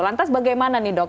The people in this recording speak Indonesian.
lantas bagaimana nih dok